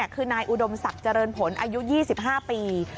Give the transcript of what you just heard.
คือนายอุดมศักดิ์เจริญผลอายุ๒๕ปี